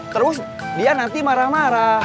terus dia nanti marah marah